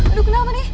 aduh kenapa nih